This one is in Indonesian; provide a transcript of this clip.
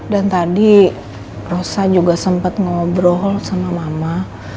dan tadi rosa juga sempet ngobrol sama mama